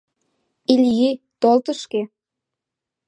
— Илли, тол тышке.